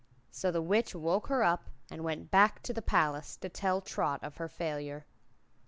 So the Witch woke her up and went back to the palace to tell Trot of her failure.